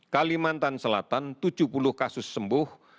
kalimantan selatan tujuh puluh kasus sembuh